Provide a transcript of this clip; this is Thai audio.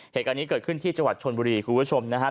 เหตุการณ์นี้เกิดขึ้นที่จังหวัดชนบุรีคุณผู้ชมนะครับ